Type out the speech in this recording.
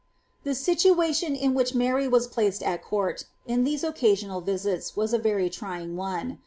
I*he situation in which Mary Wiis placed at court, on these occasional its, was a very trying one.